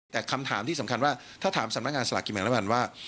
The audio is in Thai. แต่คำถามที่สำคัญว่าถ้าถามสำนักงานสลากกินแบ่งรัฐบาลว่า